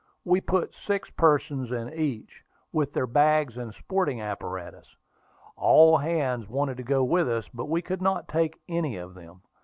We put six persons in each, with their bags and sporting apparatus. All hands wanted to go with us, but we could not take any of them.